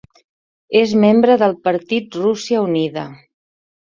És membre del partit Rússia Unida.